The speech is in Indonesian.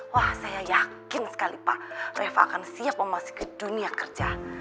wah saya yakin sekali pak reva akan siap memasuki dunia kerja